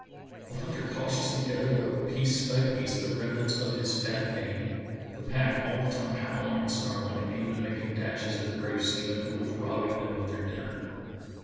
The hunter cautiously gathered up, piece by piece, the remnants of his fat game, the pack all the time howling and snarling and even making dashes at the brave seaman who was robbing them of their dinner.